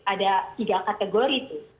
ada tiga kategori itu